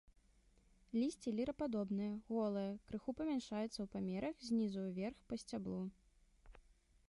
Лісце лірападобнае, голае, крыху памяншаецца ў памерах знізу ўверх па сцяблу.